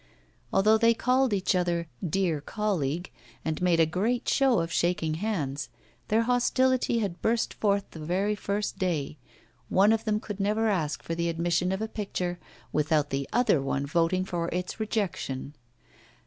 Although they called each other 'dear colleague' and made a great show of shaking hands, their hostility had burst forth the very first day; one of them could never ask for the admission of a picture without the other one voting for its rejection.